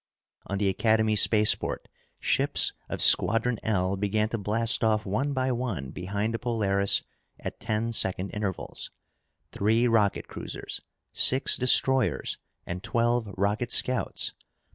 On the Academy spaceport, ships of Squadron L began to blast off one by one behind the Polaris at ten second intervals. Three rocket cruisers, six destroyers, and twelve rocket scouts.